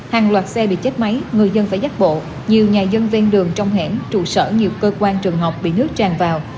hàng loạt xe bị chết máy người dân phải giác bộ nhiều nhà dân ven đường trong hẻng trụ sở nhiều cơ quan trường học bị nước tràn vào